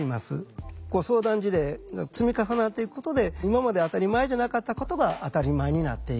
相談事例が積み重なっていくことで今まで当たり前じゃなかったことが当たり前になっていく。